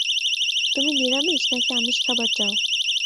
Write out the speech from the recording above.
তুমি নিরামিষ নাকি আমিষ খাবার চাও?